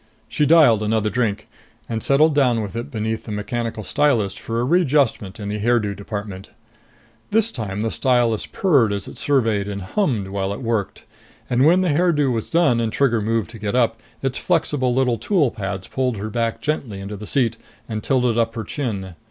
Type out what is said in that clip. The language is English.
She dialed another drink and settled down with it beneath the mechanical stylist for a readjustment in the hairdo department. This time the stylist purred as it surveyed and hummed while it worked. And when the hairdo was done and Trigger moved to get up, its flexible little tool pads pulled her back gently into the seat and tilted up her chin.